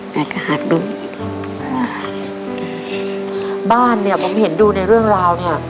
แต่ก็หักดูบ้านเนี่ยผมเห็นดูในเรื่องราวเนี้ย